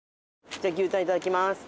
じゃあ牛タンいただきます。